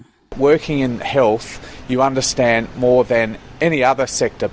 menurut saya bekerja dalam kesehatan anda memahami lebih dari sebuah sektor lain